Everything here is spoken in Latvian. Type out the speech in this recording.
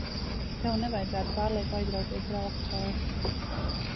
Tev nevajadzētu pārlieku aizrauties ar alkoholu.